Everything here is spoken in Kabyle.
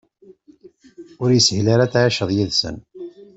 Ur yeshil ara ad tεiceḍ yid-sen.